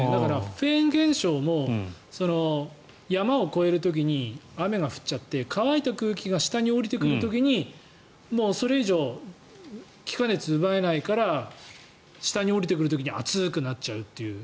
フェーン現象も山を越える時に雨が降っちゃって乾いた空気が下に下りてくる時にそれ以上、気化熱を奪えないから下に下りてくる時に熱くなっちゃうっていう。